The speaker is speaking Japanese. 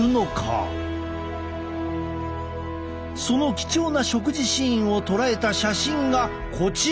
その貴重な食事シーンを捉えた写真がこちら。